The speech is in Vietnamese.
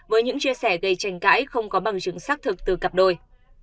với những chia sẻ gây tranh cãi không có bằng chứng xác thực từ cặp đôi